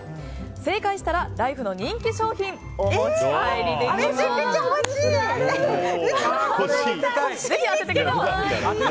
正解したら、ライフの人気商品をお持ち帰りできます。